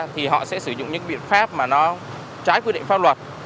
thì họ sẽ sử dụng những biện pháp mà nó trái quy định pháp luật